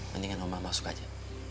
mendingan oma masuk aja